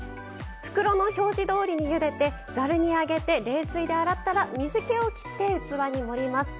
袋の表示どおりにゆでてざるに上げて冷水で洗ったら水けをきって器に盛ります。